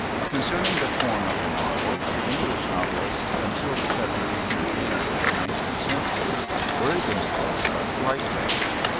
Concerning the form of the novel the English novelists, until the seventies and eighties of the nineteenth century, worried themselves but slightly.